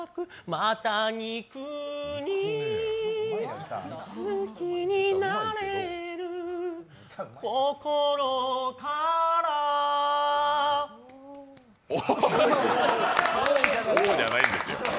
また肉に好きになれる心からおーじゃないんですよ。